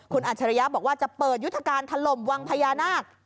คุณอัจฉริยะบอกว่าจะเปิดยุทธการถล่มวังพญานาค